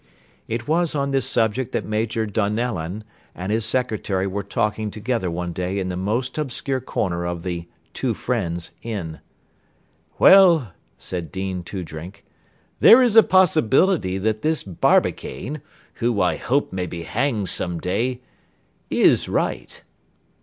It was on this subject that Major Donellan and his secretary were talking together one day in the most obscure corner of the "Two Friends" inn. "Well," said Dean Toodrink, "there is a possibility that this Barbicane (who I hope may be hanged some day) is right."